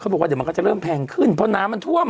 บอกว่าเดี๋ยวมันก็จะเริ่มแพงขึ้นเพราะน้ำมันท่วม